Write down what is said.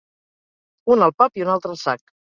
Una al pap i una altra al sac.